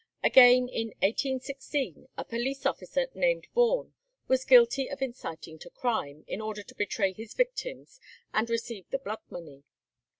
Again, in 1816, a police officer named Vaughan was guilty of inciting to crime, in order to betray his victims and receive the blood money.